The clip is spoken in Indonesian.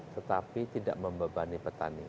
tetapi tidak membebani petani